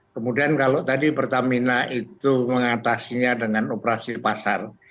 kemudian kalau tadi pertamina itu mengatasinya dengan operasi pasar